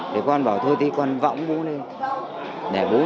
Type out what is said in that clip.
thì con bảo thôi thì con võng bố lên để bố lễ tổ tiên